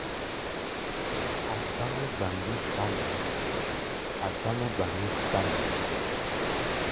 A̧ gbaŋgá gbaŋgi kpa nɛ̌ʼm.